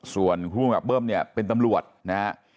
ส่วนผู้มันกลับเบิ้มเป็นตำรวจ